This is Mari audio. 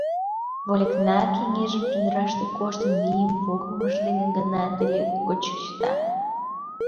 Вольыкна кеҥежым чодыраште коштын вийым погымыж дене гына теле гоч чыта.